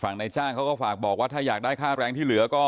ในจ้างเขาก็ฝากบอกว่าถ้าอยากได้ค่าแรงที่เหลือก็